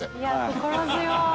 心強ーい。